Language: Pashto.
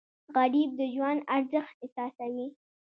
غریب د ژوند ارزښت احساسوي